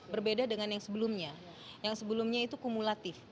berbeda dengan yang sebelumnya yang sebelumnya itu kumulatif